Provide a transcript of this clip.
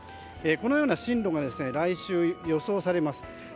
このような進路が来週、予想されます。